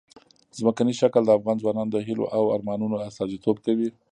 ځمکنی شکل د افغان ځوانانو د هیلو او ارمانونو استازیتوب کوي.